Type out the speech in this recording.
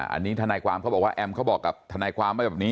อันนี้ทนายความเขาบอกว่าแอมเขาบอกกับทนายความไว้แบบนี้